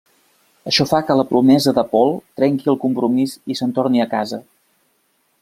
Això fa que la promesa de Paul trenqui el compromís i se’n torni a casa.